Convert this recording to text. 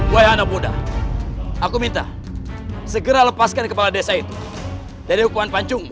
wah anak muda aku minta segera lepaskan kepala desa itu dari hukuman pacung